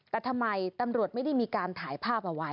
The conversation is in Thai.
แต่ทำไมตำรวจไม่ได้มีการถ่ายภาพเอาไว้